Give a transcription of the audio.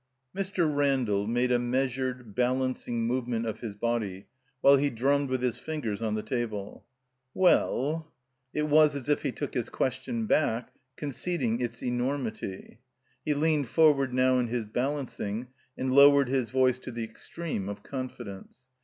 Mr. Randall made a measured, balancing move ment of his body while he drummed with his fingers on the table. "Well —" It was as if he took his question back, conceding its enormity. He leaned forward now in his balancing, and lowered his voice to the extreme of confidence.